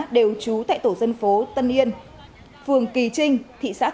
đều trú tại tổ dân phố tân yên phường kỳ trinh thị xã kỳ phú